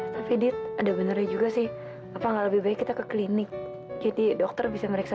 tapi di ada benarnya juga sih apa nggak lebih baik kita ke klinik jadi dokter bisa meriksa